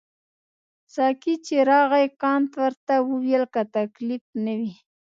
ساقي چې راغی کانت ورته وویل که تکلیف نه وي.